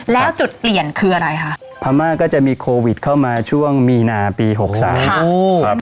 แล้วจุดเปลี่ยนคืออะไรคะพม่าก็จะมีโควิดเข้ามาช่วงมีนาปีหกสามโอ้ครับ